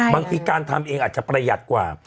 บางทีการทำเองอาจจะประหยัดกว่า